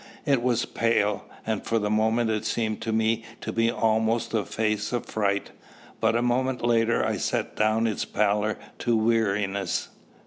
It was pale, and for the moment it seemed to me to be almost a face of fright; but a moment later I set down its pallor to weariness.